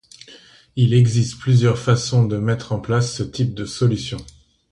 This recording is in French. Il existe plusieurs façons de mettre en place ce type de solution.